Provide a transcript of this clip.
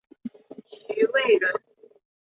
徐渭人。